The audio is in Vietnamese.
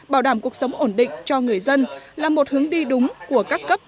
bảo đảm cuộc sống ổn định cho người dân là một hướng đi đúng của các cấp